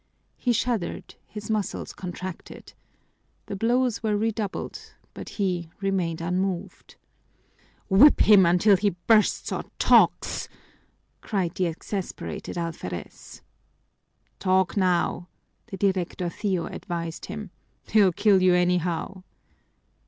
He shuddered, his muscles contracted. The blows were redoubled, but he remained unmoved. "Whip him until he bursts or talks!" cried the exasperated alferez. "Talk now," the directorcillo advised him. "They'll kill you anyhow."